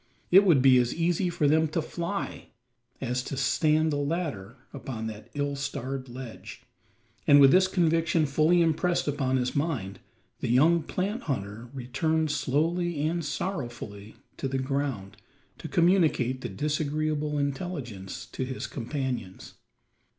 It would be as easy for them to fly, is to stand a ladder upon that ill starred ledge; and with this conviction fully impressed upon his mind, the young plant hunter returned slowly and sorrowfully to the ground to communicate the disagreeable intelligence to his companions.